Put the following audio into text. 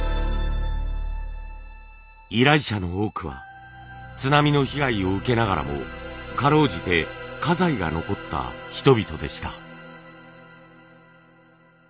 依頼者の多くは津波の被害を受けながらも辛うじて家財が残った人々でした。